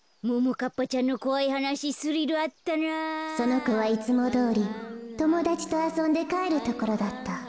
かいそうそのこはいつもどおりともだちとあそんでかえるところだった。